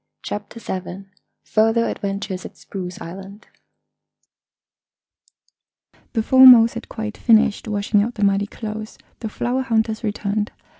CHAPTER SEVEN FURTHER ADVENTURES AT SPRUCE ISLAND Before Mose had quite finished washing out the muddy clothes the flower hunters returned.